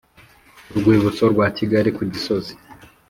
Urwibutso Rwa kigali ku gisozi